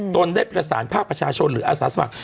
โดนเรียกผิดสารพาของประชาชนหรืออาศาสตร์สมัคร